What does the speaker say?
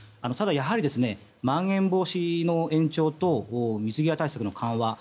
ただやはり、まん延防止の延長と水際対策の緩和